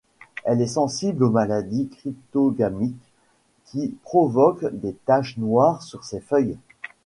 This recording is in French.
Elle est sensible aux maladies cryptogamiques, qui provoquent des taches noires sur ses feuilles.